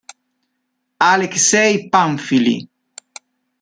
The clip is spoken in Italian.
Aleksej Panfili